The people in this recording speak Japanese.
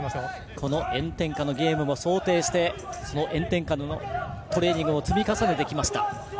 この炎天下のゲームも想定して炎天下のトレーニングも積み重ねてきました。